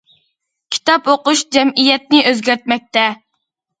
كىتاب ئوقۇش جەمئىيەتنى ئۆزگەرتمەكتە.